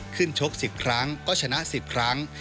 ชก๑๐ครั้งก็ชนะ๑๐ครั้ง